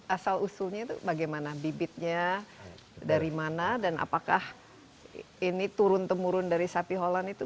asal usulnya itu bagaimana bibitnya dari mana dan apakah ini turun temurun dari sapi holan itu